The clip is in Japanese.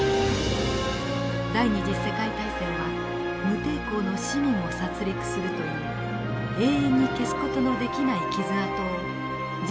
第二次世界大戦は無抵抗の市民を殺戮するという永遠に消す事のできない傷痕を人類の歴史に残したのです。